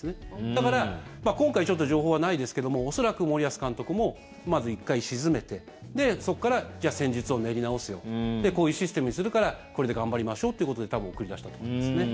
だから今回ちょっと情報はないですけども恐らく森保監督もまず１回静めてそこから戦術を練り直すよこういうシステムにするからこれで頑張りましょうということで多分送り出したと思いますね。